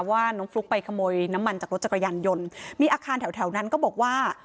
ว่าน้องฟลุ๊กไปขโมยน้ำมันจากรถจักรยานยนต์มีอาคารแถวแถวนั้นก็บอกว่า